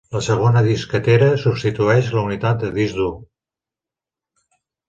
La segona disquetera substitueix la unitat de disc dur.